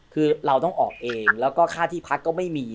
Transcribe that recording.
คือเราต้องออกเองแล้วก็ค่าที่พักก็ไม่มี